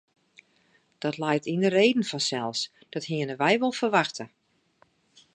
Dat leit yn de reden fansels, dat hienen we wol ferwachte.